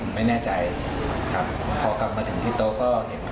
แล้วก็เสร็จแล้วหลังจากนั้นก็มีพี่